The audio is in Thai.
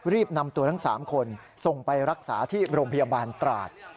รีบนำตัวทั้ง๓คนส่งไปรักษาที่โรงพยาบาลตราด